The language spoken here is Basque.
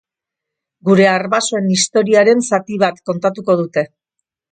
Gure arbasoen historiaren zati bat kontatuko dute.